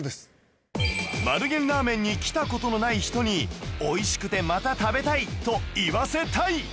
丸源ラーメンに来た事のない人に美味しくて「また食べたい」と言わせたい！